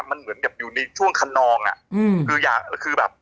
มันเหมือนกับอยู่ในช่วงคนนองอ่ะอืมคืออยากคือแบบ